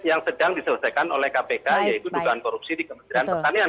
yang sedang diselesaikan oleh kpk yaitu dugaan korupsi di kementerian pertanian